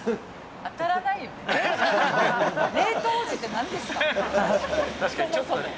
当たらないよね。